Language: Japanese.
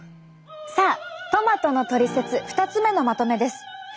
さあトマトのトリセツ２つ目のまとめです。